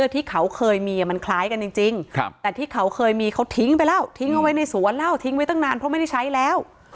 ทิ้งไปแล้วทิ้งไว้ในสวนแล้วทิ้งไว้ตั้งนานเพราะไม่ได้ใช้แล้ว